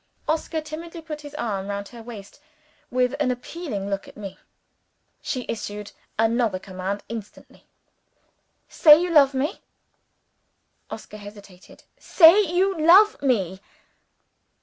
Oscar timidly put his arm round her waist with an appealing look at me. She issued another command instantly. "Say you love me." Oscar hesitated. "Say you love me!"